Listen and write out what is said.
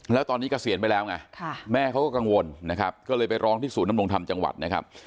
แล้วตอนนี้เกษียณไปแล้วไงแม่เขาก็กังวลนะครับก็เลยไปร้องที่ศูนยำรงธรรมจังหวัดนะครับ